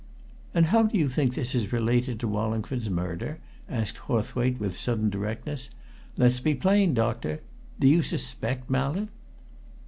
"And how do you think this is related to Wallingford's murder?" asked Hawthwaite with sudden directness. "Let's be plain, doctor do you suspect Mallett?"